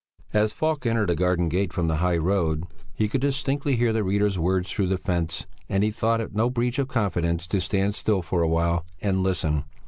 As Falk entered the garden gate from the high road, he could distinctly hear the reader's words through the fence, and he thought it no breach of confidence to stand still for a while and listen.